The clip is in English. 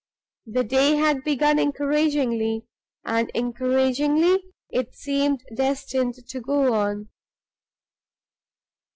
The day had begun encouragingly, and encouragingly it seemed destined to go on.